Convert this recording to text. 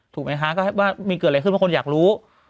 ถูกไหมคะก็ว่ามีเกิดอะไรขึ้นบางคนอยากรู้